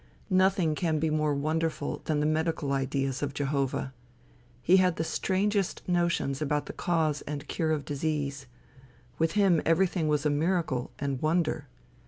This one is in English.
Nothing can be more wonderful than the medical ideas of Jehovah. He had the strangest notions about the cause and cure of disease. With him everything was miracle and wonder.